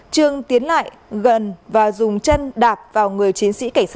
trương tiến lại gần và dùng chân đạp vào người chiến sĩ cảnh sát